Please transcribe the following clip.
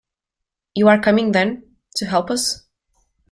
You are coming, then, to help us?